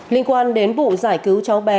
linh quan đến vụ giải cứu cháu bé